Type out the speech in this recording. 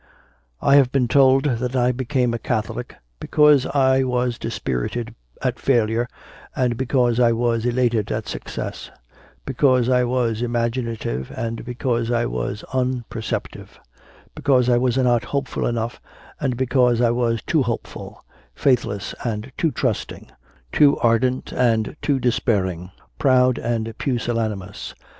i. I have been told that I became a Catholic because I was dispirited at failure and because I was elated at success; because I was imaginative and because I was unperceptive; because I was not hopeful enough and because I was too hopeful, faith less and too trusting, too ardent and too despair ing, proud and pusillanimous.